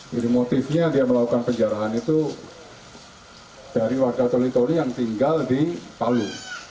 jadi motifnya dia melakukan penjarahan itu dari warga toli toli yang tinggal di palu